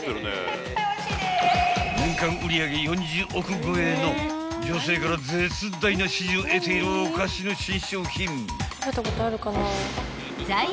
［年間売上４０億超えの女性から絶大な支持を得ているおかしの新商品］